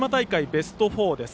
ベスト４です。